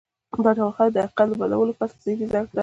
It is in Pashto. دا ډول خلک د حقيقت له بدلولو پرته ذهني درک بدلوي.